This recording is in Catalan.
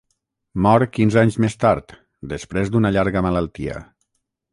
Mor quinze anys més tard, després d'una llarga malaltia.